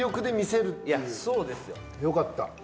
よかった。